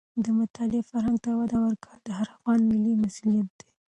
د مطالعې فرهنګ ته وده ورکول د هر افغان ملي مسوولیت دی.